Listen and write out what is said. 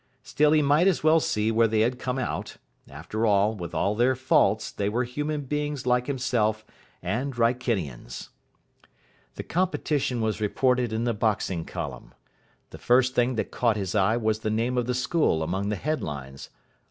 Still he might as well see where they had come out. After all, with all their faults, they were human beings like himself, and Wrykinians. The competition was reported in the Boxing column. The first thing that caught his eye was the name of the school among the headlines.